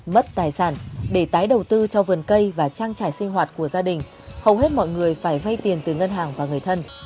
mất tài sản để tái đầu tư cho vườn cây và trang trải sinh hoạt của gia đình hầu hết mọi người phải vay tiền từ ngân hàng và người thân